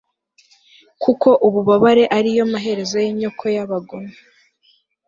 kuko ububabare ari yo maherezo y'inyoko y'abagome